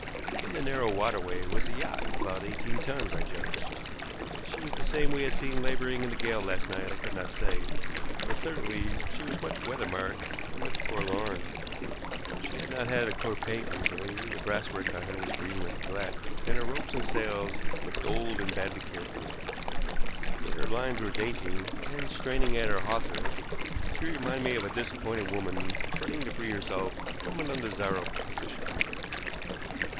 In the narrow waterway was a yacht, about eighteen tons, I judged. That she was the same we had seen laboring in the gale last night I could not say, but certainly she was much weather marked and looked forlorn. She had not had a coat of paint recently, the brasswork on her was green with neglect, and her ropes and sails looked old and badly cared for. Yet her lines were dainty, and, straining at her hawser, she reminded me of a disappointed woman fretting to free herself from an undesirable position.